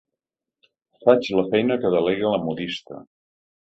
Faig la feina que delega la modista.